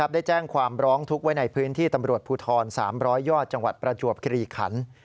ได้แจ้งความร้องทุกข์ไว้ในพื้นที่ตำรวจภูทร๓๐๐ยอดจังหวัดประจวบคลีขัน